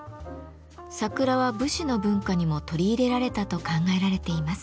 桜は武士の文化にも取り入れられたと考えられています。